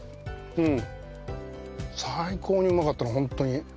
うん。